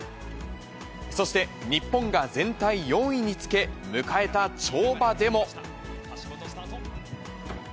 そして日本が全体４位につけ、迎えた跳馬でも。